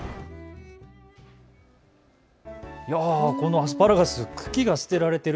アスパラガス、茎が捨てられている。